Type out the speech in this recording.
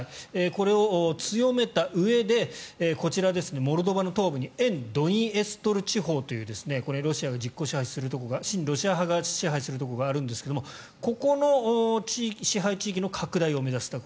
これを強めたうえでこちら、モルドバの東部に沿ドニエストル地方というこれ、ロシアが実効支配するところが親ロシア派が実効支配するところがあるんですがここの支配地域の拡大を目指すと。